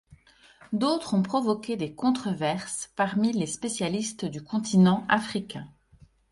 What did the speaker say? D'autres ont provoqué des controverses parmi les spécialistes du continent africain.